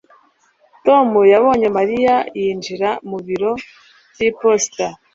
Tom yabonye Mariya yinjira mu biro byiposita